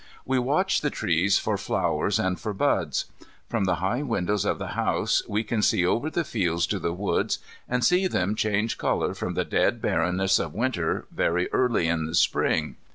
We watch the trees for flowers and for buds. From the high windows of the house we can see over the fields to the woods, and see them change colour from the dead bareness of Winter very early in the Spring.